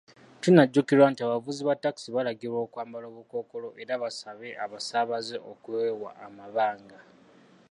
Kinajjukirwa nti, abavuzi ba takisi balagirwa okwambala obukookolo era basabe abasaabaze okwewa amabanga.